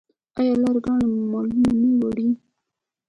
آیا لاری ګانې مالونه نه وړي؟